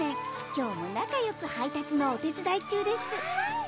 今日もなかよく配達のお手つだい中です